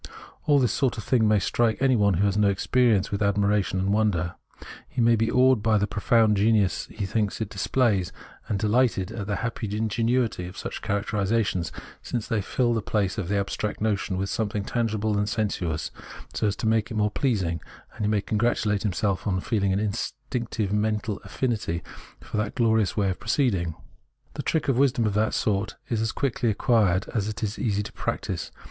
All this sort of thing may strike any one who has no experience with admiration and wonder. He may be awed by the profound genius he thinks it displays, and be dehghted at the happy ingenuity of such characterisations, since they fill the place of the abstract notion with something tangible and sensuous, and so make it more pleasing ; and he may congratulate himself on feeling an instinctive mental affinity for that glorious way of Preface 49 proceeding. The trick of wisdom of that sort is as quickly acquired as it is easy to practise.